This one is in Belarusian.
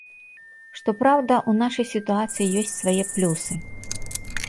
Што праўда, у нашай сітуацыі ёсць свае плюсы.